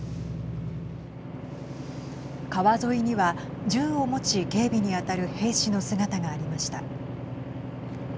川沿いには銃を持ち警備に当たる兵士の姿がありました。